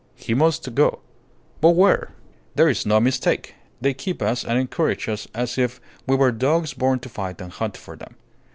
He must go. But where? "There is no mistake. They keep us and encourage us as if we were dogs born to fight and hunt for them.